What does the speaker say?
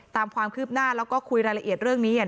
ตามความคืบหน้าแล้วก็คุยรายละเอียดเรื่องนี้